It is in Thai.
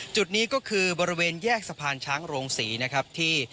จุดนี้ก็คือบริเวณแยกสะพันธุ์ช้างรังศรี